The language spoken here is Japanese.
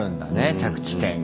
着地点が。